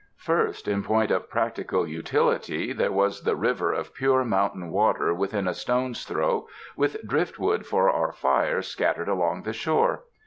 First in point of practical utility, there was the river of pure mountain water within a stone's throw, with driftwood for our fire scattered along the shore.